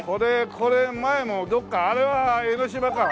これ前もどっかあれは江の島か。